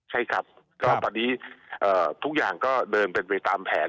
ใช่ครับก็ตอนนี้ทุกอย่างก็เดินเป็นไปตามแผน